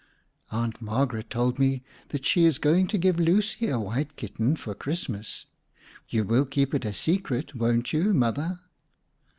"Aunt Margaret told me that she is going to give Lucy a white kitten for Christmas. You will keep it a secret, won't you, Mother?"